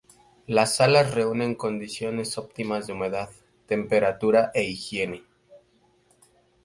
Las salas reúnen condiciones óptimas de humedad, temperatura e higiene.